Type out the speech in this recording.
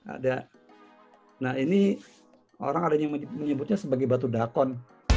ada nah ini orang ada yang menyebutnya sebagai batu dakon